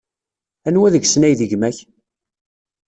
Anwa deg-sen ay d gma-k?